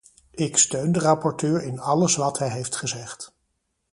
Ik steun de rapporteur in alles wat hij heeft gezegd.